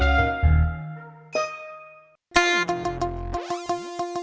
aku mau ke sana